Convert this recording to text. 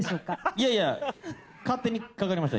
いやいや勝手にかかりました